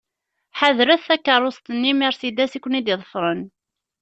Ḥadret takeṛṛust-nni Mercedes i ken-id-iḍefren.